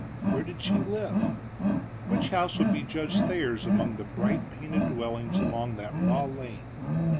Where did she live? Which house would be Judge Thayer's among the bright painted dwellings along that raw lane?